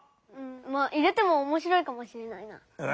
入れてもおもしろいかもしれないな。